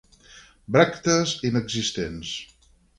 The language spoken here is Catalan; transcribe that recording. Bràctees inexistents.